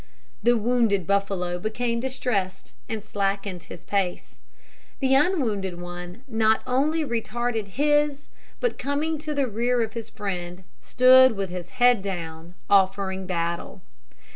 The wounded buffalo became distressed, and slackened his pace. The unwounded one not only retarded his, but coming to the rear of his friend, stood with his head down, offering battle.